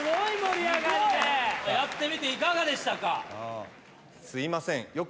やってみていかがでしたか？